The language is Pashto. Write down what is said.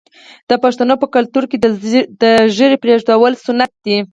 د پښتنو په کلتور کې د ږیرې پریښودل سنت دي.